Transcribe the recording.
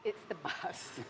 itu adalah busnya